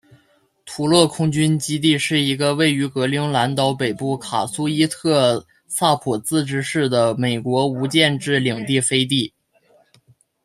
图勒空军基地是一个为于格陵兰岛北部卡苏伊特萨普自治市的美国无建制领地飞地。